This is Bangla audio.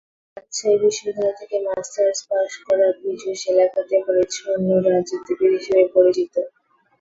রাজশাহী বিশ্ববিদ্যালয় থেকে মাস্টার্স পাস করা পীযূষ এলাকাতে পরিচ্ছন্ন রাজনীতিবিদ হিসেবেই পরিচিত।